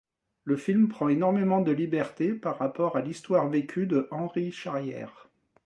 Le film prend énormément de liberté par rapport à l'histoire vécue de Henri Charrière.